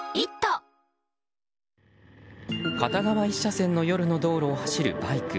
片側１車線の夜の道路を走るバイク。